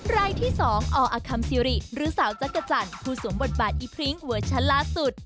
รายที่๒อคัมซิริหรือสาวจักรจันทร์ผู้สวมบทบาทอีพริ้งเวอร์ชั้นล่าสุด